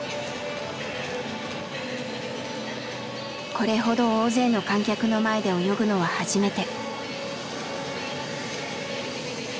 これほど大勢の観客の前で泳ぐのは初めて。